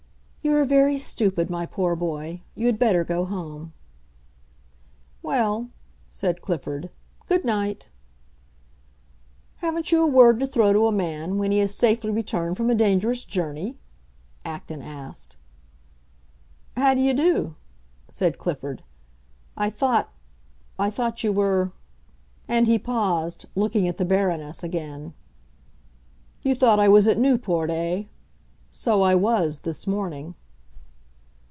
"You are very stupid, my poor boy. You had better go home." "Well," said Clifford, "good night!" "Haven't you a word to throw to a man when he has safely returned from a dangerous journey?" Acton asked. "How do you do?" said Clifford. "I thought—I thought you were——" and he paused, looking at the Baroness again. "You thought I was at Newport, eh? So I was—this morning."